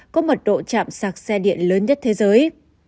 có mật độ chạm sạc xe điện lớn nhất thế giới